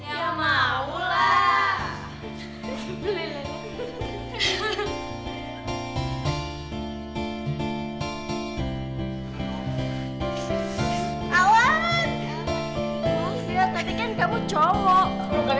atau ga mau